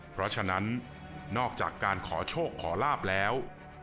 เพราะฉะนั้นนอกจากการขอโชคขอลาบแล้ว